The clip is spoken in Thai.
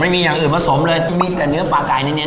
ไม่มีอย่างอื่นผสมเลยมีแต่เนื้อปลากลายเน้นเน้น